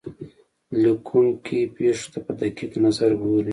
لیکونکی پېښو ته په دقیق نظر ګوري.